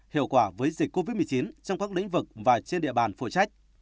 hiệu quả với dịch covid một mươi chín trong các lĩnh vực và trên địa bàn phụ trách